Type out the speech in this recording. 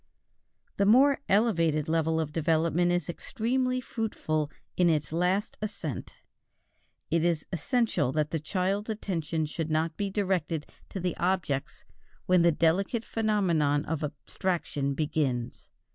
This more elevated level of development is extremely fruitful in its last ascent It is essential that the child's attention should not be directed to the objects when the delicate phenomenon of abstraction begins.